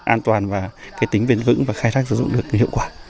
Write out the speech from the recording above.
an toàn và cái tính bền vững và khai thác sử dụng được cái hiệu quả